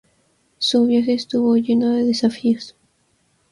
Su viaje estuvo lleno de desafíos.